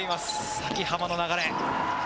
崎濱の流れ。